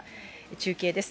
中継です。